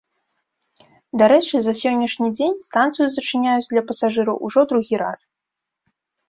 Дарэчы, за сённяшні дзень станцыю зачыняюць для пасажыраў ужо другі раз.